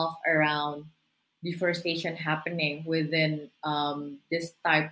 dengan deforestasi yang berlaku